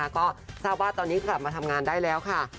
ก็ทราบว่าตอนนี้กลับมาทำงานได้แล้วค่ะ